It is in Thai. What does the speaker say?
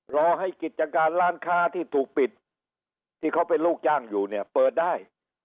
รอให้กิจการร้านค้าที่ถูกปิดที่เขาเป็นลูกจ้างอยู่เนี่ยเปิดได้